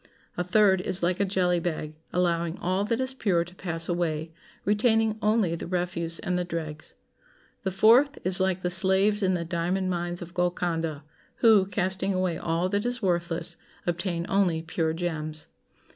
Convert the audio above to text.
A third is like a jelly bag, allowing all that is pure to pass away, retaining only the refuse and the dregs. The fourth is like the slaves in the diamond mines of Golconda, who, casting away all that is worthless, obtain only pure gems.